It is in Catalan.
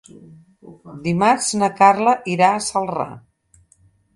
Dimarts na Carla irà a Celrà.